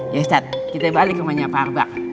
ya ustadz kita balik ke rumahnya pak arbak